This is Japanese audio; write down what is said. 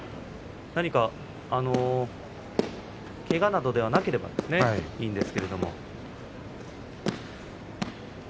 何か、けがなどではなければいいんですけれど。